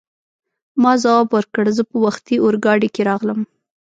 ما ځواب ورکړ: زه په وختي اورګاډي کې راغلم.